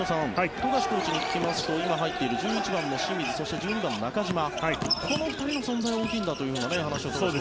富樫コーチに聞きますと今、入っている１１番の清水そして１２番の中島この２人の存在は大きいんだという話をしていました。